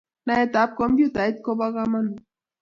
naet ap kopyutait kopo kamanut